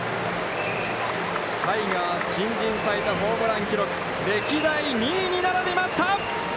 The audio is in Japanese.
タイガース、新人最多ホームラン記録歴代２位に並びました。